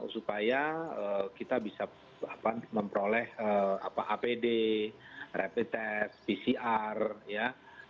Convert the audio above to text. supaya kita bisa memperoleh apd rapid test pcr ya